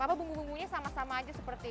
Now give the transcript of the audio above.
apa bumbu bumbunya sama sama aja seperti itu